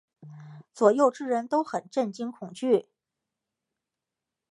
左右之人都很震惊恐惧。